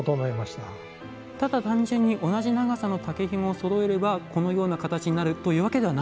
ただ単純に同じ長さの竹ひごをそろえればこのような形になるというわけではないんですか。